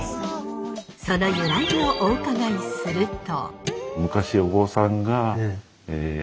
その由来をお伺いすると。